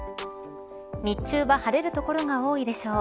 日中は晴れる所が多いでしょう。